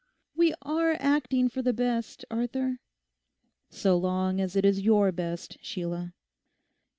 We are acting for the best, Arthur?' 'So long as it is your best, Sheila.